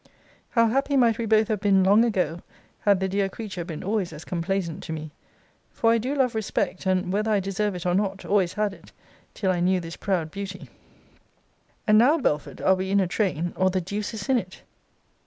How happy might we both have been long ago, had the dear creature been always as complaisant to me! For I do love respect, and, whether I deserve it or not, always had it, till I knew this proud beauty. And now, Belford, are we in a train, or the deuce is in it.